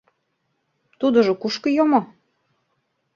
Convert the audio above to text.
Тудыжо кушко йомо?